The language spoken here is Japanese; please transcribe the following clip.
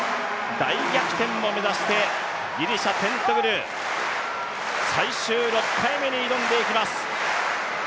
大逆転を目指してギリシャ、テントグル、最終６回目に挑んでいきます。